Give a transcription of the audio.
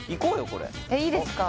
これえっいいですか